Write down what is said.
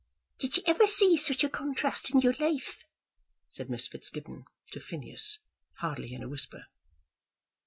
"Did you ever see such a contrast in your life?" said Miss Fitzgibbon to Phineas, hardly in a whisper.